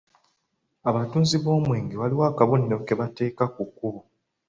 Abatunzi b’omwenge waliwo akabonero ke bateeka ku kkubo.